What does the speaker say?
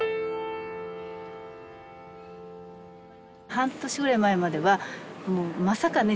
半年ぐらい前まではまさかね